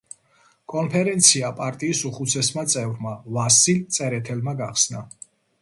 კონფერენცია პარტიის უხუცეს წევრმა ვასილ წერეთელმა გახსნა.